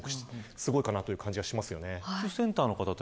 すごいという感じがしますよね。